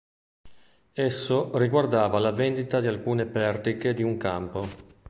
Esso riguardava la vendita di alcune pertiche di un campo.